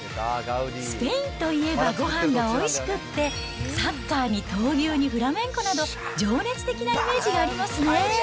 スペインといえば、ごはんがおいしくて、サッカーに闘牛にフラメンコなど、情熱的なイメージがありますね。